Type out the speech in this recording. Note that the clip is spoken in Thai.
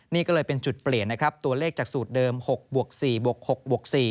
นี่ก็เลยเป็นจุดเปลี่ยนนะครับตัวเลขจากสูตรเดิม๖บวก๔บวก๖บวก๔